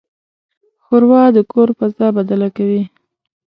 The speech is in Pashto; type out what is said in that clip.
ښوروا د کور فضا بدله کوي.